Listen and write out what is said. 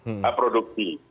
mereka bisa memproduksi